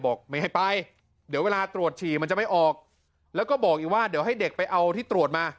บอกไม่ให้ไปเดี๋ยวเวลาตรวจฉี่มันจะไม่ออกแล้วก็บอกอีกว่าเดี๋ยวให้เด็กไปเอาที่ตรวจมา